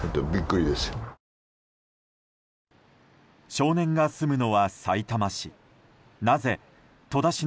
少年が住むのは、さいたま市。